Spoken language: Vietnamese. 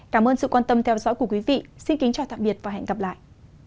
cảm ơn sự quan tâm theo dõi của quý vị xin kính chào tạm biệt và hẹn gặp lại